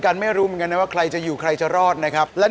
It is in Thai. ๕กับ๙เลือกไม่ได้แล้ว